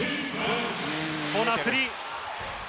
コーナースリー。